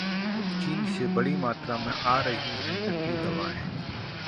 चीन से बड़ी मात्रा में आ रहीं नकली दवाएं